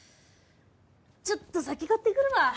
ちょっと酒買ってくるわ。